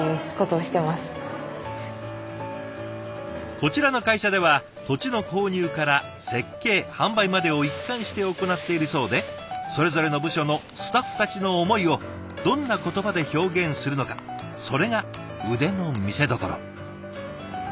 こちらの会社では土地の購入から設計販売までを一貫して行っているそうでそれぞれの部署のスタッフたちの思いをどんな言葉で表現するのかそれが腕の見せどころ。